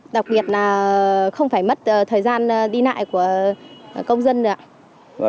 đặc biệt là không phải mất thời gian đi lại của công dân được ạ